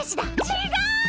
違う！